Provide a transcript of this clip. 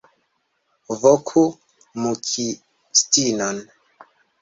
Voku muzikistinon.